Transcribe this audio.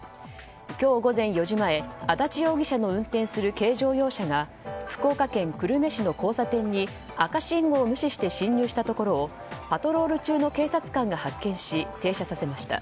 今日午前４時前足立容疑者の運転する軽乗用車が福岡県久留米市の交差点に赤信号を無視して進入したところをパトロール中の警察官が発見し停車させました。